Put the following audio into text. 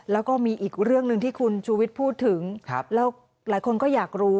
แล้วก็มีอีกเรื่องหนึ่งที่คุณชูวิทย์พูดถึงแล้วหลายคนก็อยากรู้